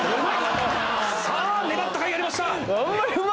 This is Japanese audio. さぁ粘ったかいありました。